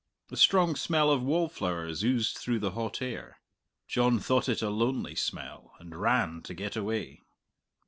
A strong smell of wallflowers oozed through the hot air. John thought it a lonely smell, and ran to get away.